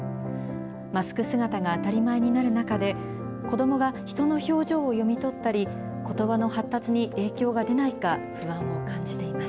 マスク姿が当たり前になる中で、子どもが人の表情を読み取ったり、ことばの発達に影響が出ないか、不安を感じています。